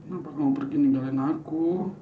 apa kamu pergi ninggalin aku